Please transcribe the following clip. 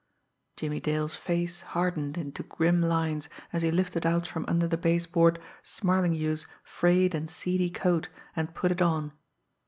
Jimmie Dale's face hardened into grim lines, as he lifted out from under the baseboard "Smarlinghue's" frayed and seedy coat, and put it on.